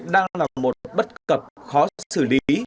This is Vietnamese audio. đang là một bất cập khó xử lý